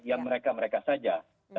yang mereka mereka saja